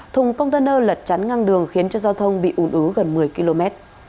thùng container lật chắn ngang đường khiến cho giao thông bị ủn ứ gần một mươi km